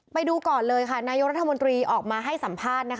ไปดูก่อนเลยค่ะนายกรัฐมนตรีออกมาให้สัมภาษณ์